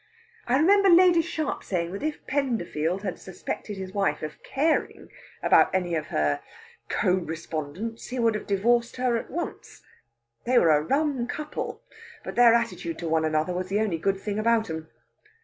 I remember Lady Sharp saying that if Penderfield had suspected his wife of caring about any of her co respondents he would have divorced her at once. They were a rum couple, but their attitude to one another was the only good thing about them."